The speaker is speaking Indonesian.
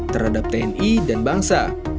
terhadap tni dan bangsa